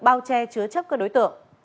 bao che chứa chấp các đối tượng